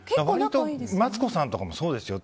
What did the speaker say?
マツコさんとかもそうですよ。